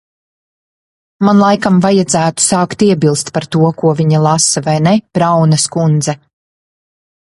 Man laikam vajadzētu sākt iebilst par to, ko viņa lasa, vai ne, Braunas kundze?